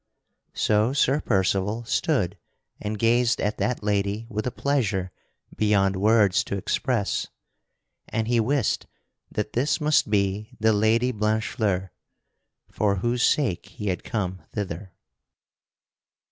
So Sir Percival stood and gazed at that lady with a pleasure beyond words to express, and he wist that this must be the Lady Blanchefleur, for whose sake he had come thither.